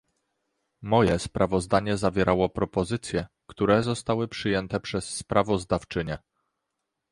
Moje sprawozdanie zawierało propozycje, które zostały przyjęte przez sprawozdawczynię